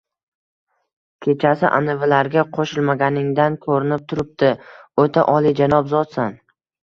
– Kechasi anavilarga qo‘shilmaganingdan ko‘rinib turibdi, o‘ta oliyjanob zotsan